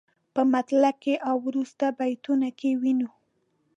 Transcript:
په مطلع کې او وروسته بیتونو کې وینو.